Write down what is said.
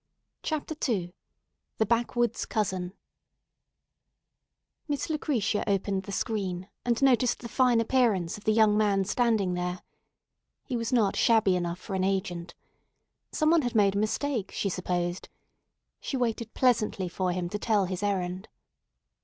CHAPTER II THE BACKWOODS COUSIN MISS LUCRETIA opened the screen, and noticed the fine appearance of the young man standing there. He was not shabby enough for an agent. Some one had made a mistake, she supposed. She waited pleasantly for him to tell his errand.